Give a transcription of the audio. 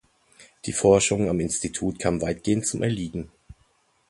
Die Forschung am Institut kam weitgehend zum Erliegen.